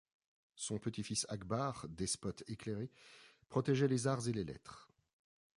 Son petit-fils Akbar, despote éclairé, protégeait les arts et les lettres.